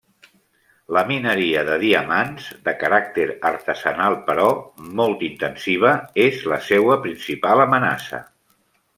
La mineria de diamants, de caràcter artesanal però molt intensiva, és la seua principal amenaça.